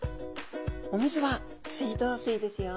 お水は水道水ですよ。